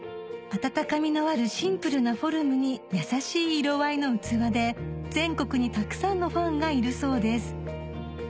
温かみのあるシンプルなフォルムに優しい色合いの器で全国にたくさんのファンがいるそうです